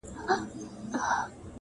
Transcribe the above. ویل ګوره چي ګنجی سر دي نیولی.!